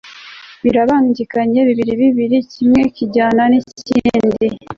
birabangikanye bibiri bibiri, kimwe kikajyana n'ikindi